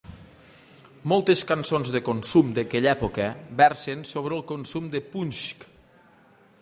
Moltes cançons de consum d'aquella època versen sobre el consum de punsch.